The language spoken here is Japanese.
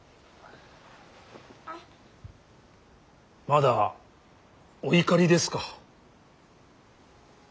まだお怒りですか。